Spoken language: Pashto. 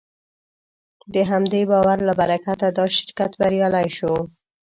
د همدې باور له برکته دا شرکت بریالی شو.